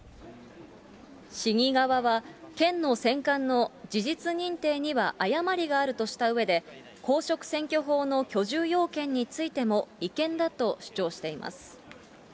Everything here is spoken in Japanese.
市議側は、県の選管の事実認定には誤りがあるとしたうえで、公職選挙法の居住要件についても、違憲だと主張しています。